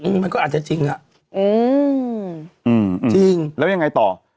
มันก็อาจจะจริงอ่ะอืมอืมจริงแล้วยังไงต่อ